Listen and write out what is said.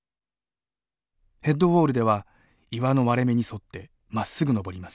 ヘッドウォールでは岩の割れ目に沿ってまっすぐ登ります。